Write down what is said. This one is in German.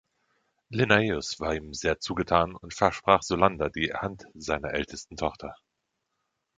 Linnaeus war ihm sehr zugetan und versprach Solander die Hand seiner ältesten Tochter.